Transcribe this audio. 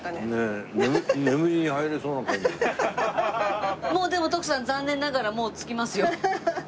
もうでも徳さん残念ながらもう着きますよ。